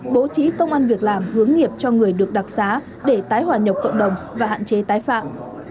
bố trí công an việc làm hướng nghiệp cho người được đặc xá để tái hòa nhập cộng đồng và hạn chế tái phạm